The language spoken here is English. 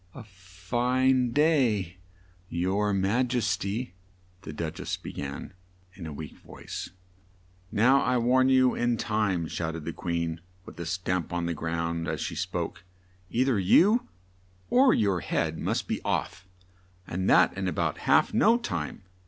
"A fine day, your ma jes ty!" the Duch ess be gan in a weak voice. "Now, I warn you in time," shout ed the Queen, with a stamp on the ground as she spoke; "ei ther you or your head must be off, and that in a bout half no time!